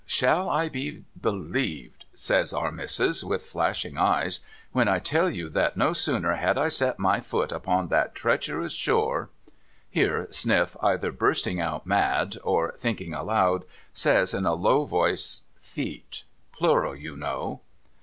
' Shall I be^believed,' says Our Missis, with flashing eyes, * when I tell you that no sooner had I set my foot upon that treacherous shore ' Here Sniff, either bursting out mad, or thinking aloud, says, in a low voice :' Feet. Plural, you know.'